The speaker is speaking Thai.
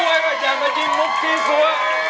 อย่ามายิงมุกซี่ซัว